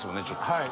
はい。